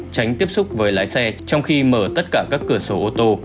tránh tiếp xúc với lái xe trong khi mở tất cả các cửa sổ ô tô